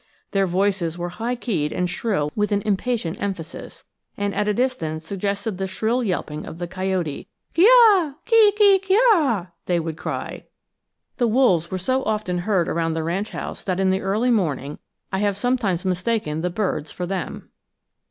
Their voices were high keyed and shrill with an impatient emphasis, and at a distance suggested the shrill yelping of the coyote. Kee' ah, kee kee' kee' ah, they would cry. The wolves were so often heard around the ranch house that in the early morning I have sometimes mistaken the birds for them.